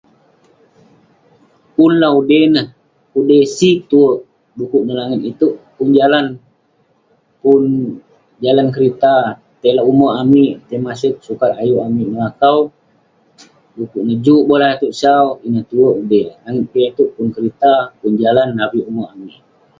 Pun lah udey neh, pudey sig tue. Dekuk neh langit itouk, pun jalan. Pun jalan kerita, tai lak ume' amik, tai maseg. Sukat ayuk amik melakau. Dekuk neh juk boleh itouk sau, ineh tuek udey. Pun langit piak itouk, pun kerita pun jalan avik ume' amik.